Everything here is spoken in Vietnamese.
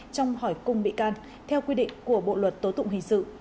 trong hỏi cung bị can theo quy định của bộ luật tố tụng hình sự